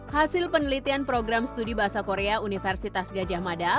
hasil penelitian program studi bahasa korea universitas gajah mada